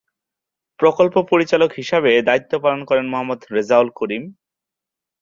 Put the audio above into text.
প্রকল্প পরিচালক হিসাবে দায়িত্ব পালন করেন মোহাম্মদ রেজাউল করিম।